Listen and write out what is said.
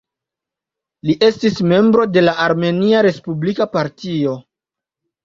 Li estis membro de la Armenia Respublika Partio.